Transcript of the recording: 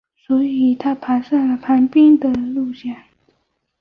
所以他爬上了旁边的岩架。